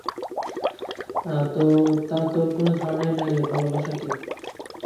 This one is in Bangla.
তো, তোর কোনো ধারণাই নেই যে, ভালোবাসা কী?